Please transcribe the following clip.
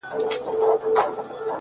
د هغه ږغ زما د ساه خاوند دی _